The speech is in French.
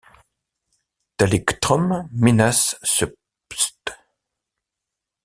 Thalictrum minus subsp.